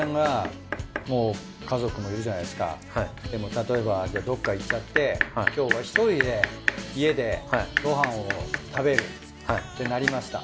例えばどっか行っちゃって今日は１人で家でごはんを食べるってなりました。